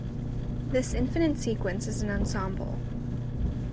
This infinite sequence is an ensemble.